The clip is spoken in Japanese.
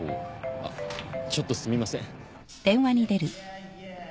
あっちょっとすみません。